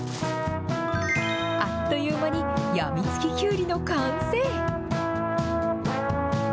あっという間に、やみつききゅうりの完成。